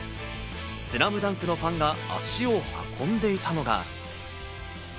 『ＳＬＡＭＤＵＮＫ』のファンが足を運んでいたのが。